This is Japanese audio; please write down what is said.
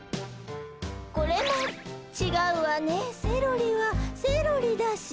「これもちがうわねセロリはセロリだし」